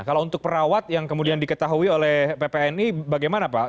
kalau untuk perawat yang kemudian diketahui oleh ppni bagaimana pak